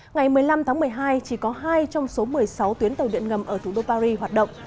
ngày một mươi năm tháng một mươi hai chỉ có hai trong số một mươi sáu tuyến tàu điện ngầm ở thủ đô paris hoạt động